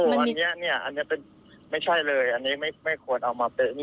อันนี้ไม่ใช่เลยอันนี้ไม่ควรเอามาเป๊ะ